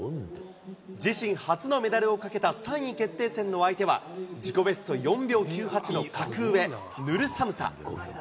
自身初のメダルをかけた３位決定戦の相手は、自己ベスト４秒９８の格上、ヌルサムサ。